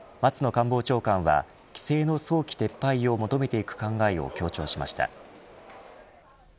官房長官は、規制の早期撤廃を求めていく考えを強調しました。